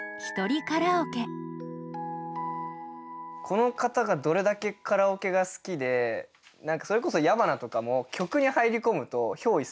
この方がどれだけカラオケが好きでそれこそ矢花とかも曲に入り込むと憑依するタイプなんですよ。